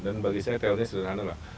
dan bagi saya teori sederhana lah